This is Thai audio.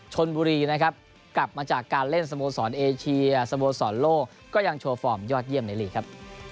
ชนบุรีนะครับกลับมาจากการเล่นสโมสรเอเชียสโมสรโลกก็ยังโชว์ฟอร์มยอดเยี่ยมในลีกครับ